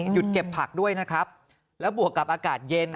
เก็บผักด้วยนะครับแล้วบวกกับอากาศเย็น